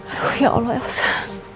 aduh ya allah elsa